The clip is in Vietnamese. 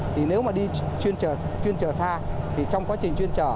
thì nếu mà đi chuyên trở xa thì trong quá trình chuyên trở